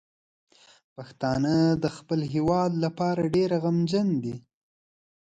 پښتانه د خپل هیواد لپاره ډیر غمجن دي.